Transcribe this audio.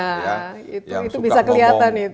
yang suka ngomong itu bisa kelihatan ya